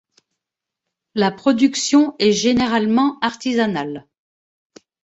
La production est généralement artisanale.